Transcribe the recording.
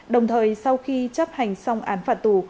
đồng thời sau khi chấp hành xong án phạt tù